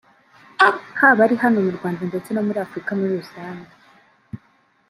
haba ari hano mu Rwanda ndetse no muri afurika muri rusange